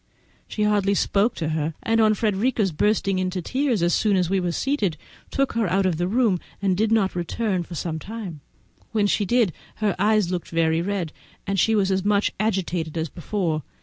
She hardly spoke to her, and on Frederica's bursting into tears as soon as we were seated, took her out of the room, and did not return for some time. When she did, her eyes looked very red and she was as much agitated as before.